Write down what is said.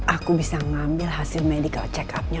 aku bisa ngambil hasil medical check upnya